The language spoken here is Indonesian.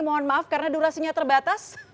mohon maaf karena durasinya terbatas